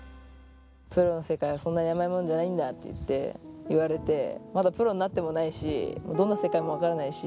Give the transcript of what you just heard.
プロの世界はそんなに甘いもんじゃないんだっていって言われて、まだプロになってもないし、どんな世界かも分からないし。